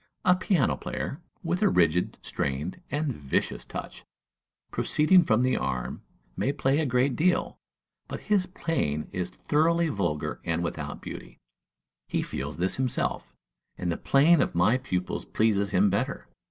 A piano player, with a rigid, strained, and vicious touch, proceeding from the arm, may play a great deal, but his playing is thoroughly vulgar and without beauty. He feels this himself, and the playing of my pupils pleases him better.